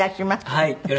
はい。